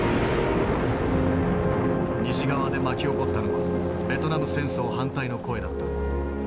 西側で巻き起こったのはベトナム戦争反対の声だった。